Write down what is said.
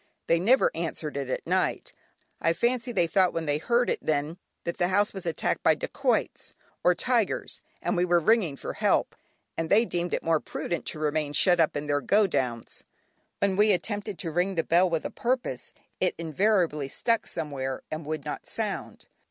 They never answered it at night: I fancy they thought when they heard it then, that the house was attacked by dacoits or tigers and we were ringing for help, and they deemed it more prudent to remain shut up in their "go downs." When we attempted to ring the bell with a purpose, it invariably stuck somewhere and would not sound.